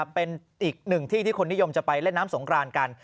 เป็นอีกหนึ่งที่ที่คนนิยมจะไปเล่นน้ำสงครานกัน